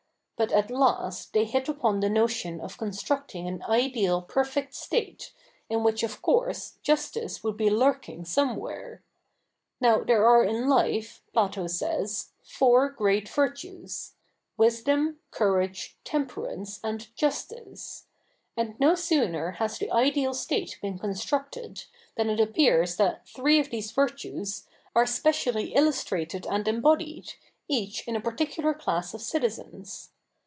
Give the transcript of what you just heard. But at last they hit upon the notion of constructing an ideal perfect state, in which of course justice would be lurking somewhere. Now there are in life, Plato says, four great virtues— wisdom, courage, temperance, and justice : and no sooner has the ideal state been constructed, than it appears that three of these virtues are specially illustrated and embodied, each in a particular class of citizens.